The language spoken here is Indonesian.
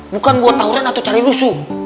bukan buat tawuran atau cari rusuh